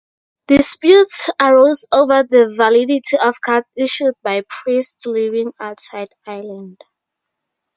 Disputes arose over the validity of cards issued by priests living outside Ireland.